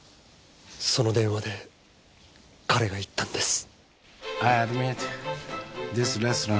その電話で彼が言ったんです。